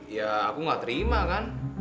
ya aku gak terima kan